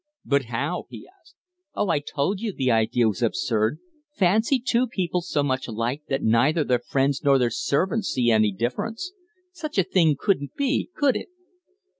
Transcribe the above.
"But how?" he asked. "Oh, I told you the idea was absurd. Fancy two people so much alike that neither their friends nor their servants see any difference! Such a thing couldn't be, could it?"